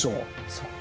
そっか。